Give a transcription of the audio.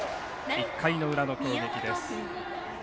１回の裏の攻撃です。